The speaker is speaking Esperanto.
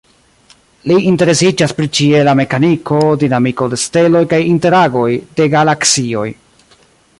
Li interesiĝas pri ĉiela mekaniko, dinamiko de la steloj kaj interagoj de galaksioj.